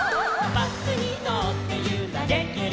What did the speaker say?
「バスにのってゆられてる」